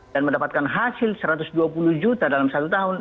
dan mendapatkan hasil satu ratus dua puluh juta dalam satu tahun